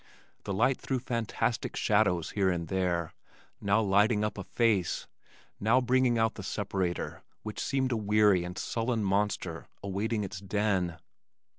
The light threw fantastic shadows here and there, now lighting up a face, now bringing out the separator which seemed a weary and sullen monster awaiting its den.